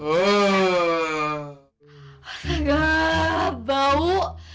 asal gak bau